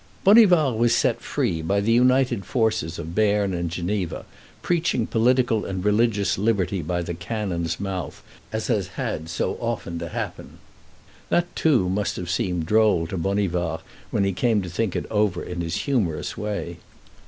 '" Bonivard was set free by the united forces of Berne and Geneva, preaching political and religious liberty by the cannon's mouth, as has had so often to happen. That too must have seemed droll to Bonivard when he came to think it over in his humorous way.